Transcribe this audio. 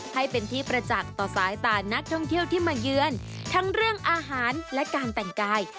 ให้เป็นที่ประจักษ์ต่อสายตานักท่องเที่ยวที่มาเยือนทั้งเรื่องอาหารและการแต่งกาย